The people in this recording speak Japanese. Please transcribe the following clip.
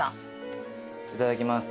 いただきます。